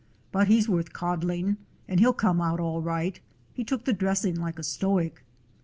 But he 's worth coddling, and he 'll come out all right. He took the dressing like a stoic."